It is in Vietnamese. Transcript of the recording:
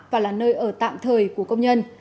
và là nơi ở tạm thời của công nhân